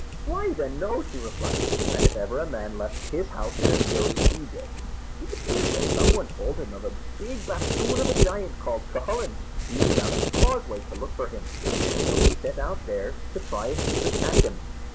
"Why, then, no," she replied; "and if ever a man left his house in a fury, he did. It appears that some one told him of a big basthoon of a giant called Cucullin being down at the Causeway to look for him, and so he set out there to try if he could catch him.